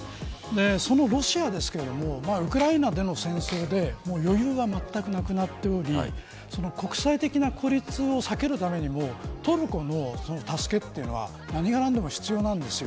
そのロシアですけれどもウクライナでの戦争で余裕はまったくなくなっており国際的な孤立を避けるためにもトルコの助けというのは何が何でも必要なんです。